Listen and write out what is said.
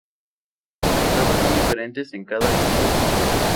Las pruebas son diferentes en cada concurso.